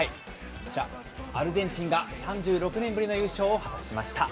こちら、アルゼンチンが３６年ぶりの優勝を果たしました。